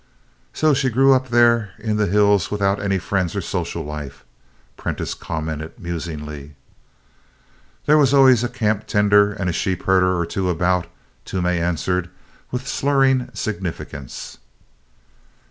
"So she grew up out there in the hills without any friends or social life," Prentiss commented, musingly. "There was always a camptender and a sheepherder or two about," Toomey answered with slurring significance.